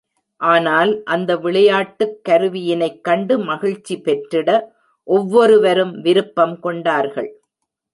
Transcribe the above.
ஆனால், அந்த விளையாட்டுக் கருவியினைக் கண்டு மகிழ்ச்சி பெற்றிட ஒவ்வொருவரும் விருப்பம் கொண்டார்கள்.